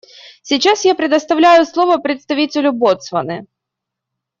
Сейчас я предоставляю слово представителю Ботсваны.